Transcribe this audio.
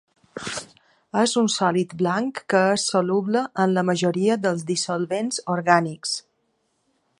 És un sòlid blanc que és soluble en la majoria dels dissolvents orgànics.